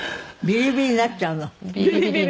ビリビリになっちゃう。